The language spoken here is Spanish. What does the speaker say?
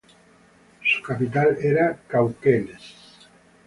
Su capital era Cauquenes.